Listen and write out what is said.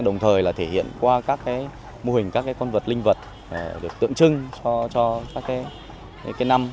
đồng thời là thể hiện qua các cái mô hình các cái con vật linh vật được tượng trưng cho các cái năm